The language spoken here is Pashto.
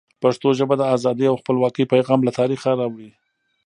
پښتو ژبه د ازادۍ او خپلواکۍ پیغام له تاریخه را وړي.